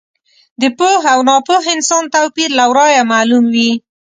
د پوه او ناپوه انسان توپیر له ورایه معلوم وي.